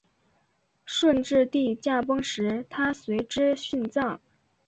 顺治帝驾崩时她随之殉葬。